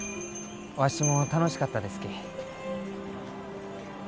わしも楽しかったですき。